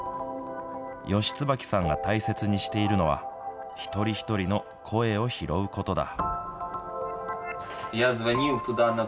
吉椿さんが大切にしているのは、一人一人の声を拾うことだ。